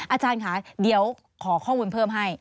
อาจารย์ค่ะเดี๋ยวขอข้อมูลเพิ่มให้